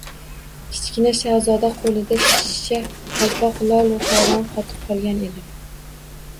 Kichkina shahzoda qo‘lida shisha qalpoq, lol-u hayron qotib qolgan edi.